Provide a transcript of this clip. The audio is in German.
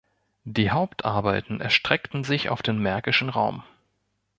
Die Hauptarbeiten erstreckten sich auf den märkischen Raum.